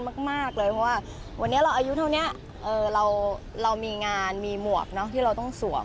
มากเลยเพราะว่าวันนี้เราอายุเท่านี้เรามีงานมีหมวกเนอะที่เราต้องสวม